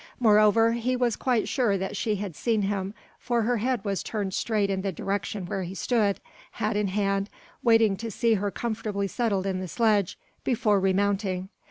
Moreover he was quite sure that she had seen him, for her head was turned straight in the direction where he stood, hat in hand, waiting to see her comfortably settled in the sledge, before remounting.